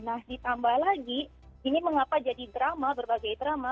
nah ditambah lagi ini mengapa jadi drama berbagai drama